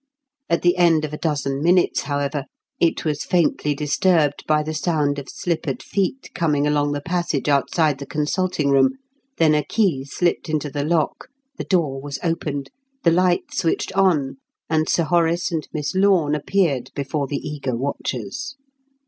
At the end of a dozen minutes, however, it was faintly disturbed by the sound of slippered feet coming along the passage outside the consulting room, then a key slipped into the lock, the door was opened, the light switched on, and Sir Horace and Miss Lorne appeared before the eager watchers.